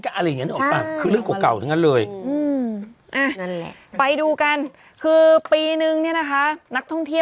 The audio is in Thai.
ก็จะเข้าใจ